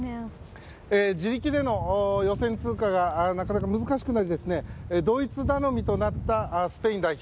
自力での予選通過がなかなか難しくなりドイツ頼みとなったスペイン代表。